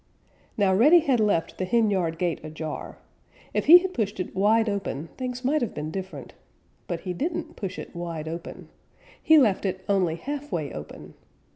Now Reddy had left the henyard gate ajar. If he had pushed it wide open things might have been different. But he didn't push it wide open. He left it only halfway open.